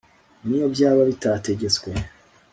N'iyo byaba bitategetswe,